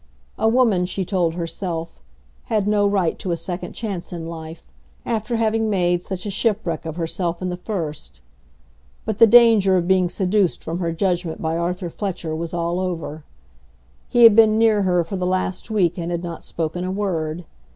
A woman, she told herself, had no right to a second chance in life, after having made such a shipwreck of herself in the first. But the danger of being seduced from her judgment by Arthur Fletcher was all over. He had been near her for the last week and had not spoken a word.